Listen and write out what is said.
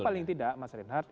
paling tidak mas reinhardt